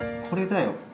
これだよ！